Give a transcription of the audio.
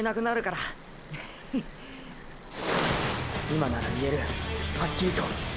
今なら言えるはっきりと。